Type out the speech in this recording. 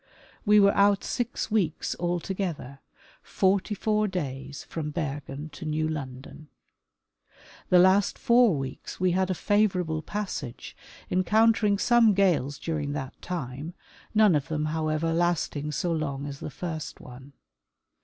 We were out six weeks altogether, forty four days from Bergen to New London. The last four weeks we had a favor able passage, encountering some gales during that time, none of them, however, lasting so long as the first one.